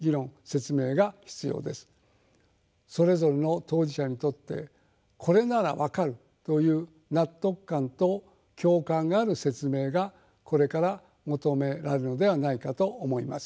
それぞれの当事者にとって「これなら分かる」という納得感と共感がある説明がこれから求められるのではないかと思います。